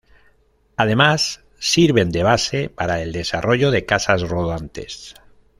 Además, sirven de base para el desarrollo de casas rodantes.